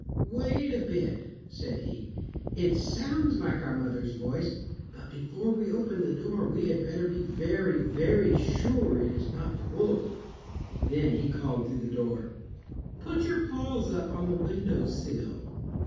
"Wait a bit," said he. "It sounds like our mother's voice, but before we open the door we had better be very, very sure it is not the wolf." Then he called through the door, "Put your paws up on the windowsill."